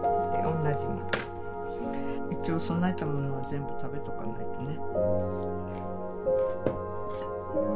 一応供えたものは全部食べとかないとね。